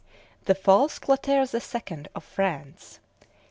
THE FALSE CLOTAIRE THE SECOND OF FRANCE.